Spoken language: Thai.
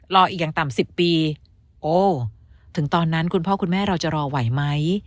รออีกอย่างต่ำ๑๐ปีโอ้ถึงตอนนั้นคุณพ่อคุณแม่เราจะรอไหวไหม